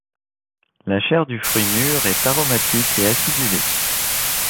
La chair du fruit mûr est aromatique et acidulée.